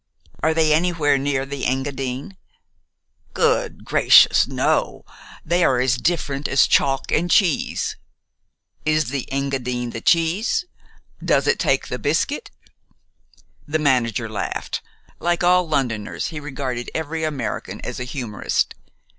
"Are they anywhere near the Engadine?" "Good gracious, no! They are as different as chalk and cheese." "Is the Engadine the cheese? Does it take the biscuit?" The manager laughed. Like all Londoners, he regarded every American as a humorist.